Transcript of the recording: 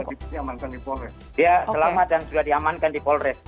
dia selama dan sudah diamankan di polres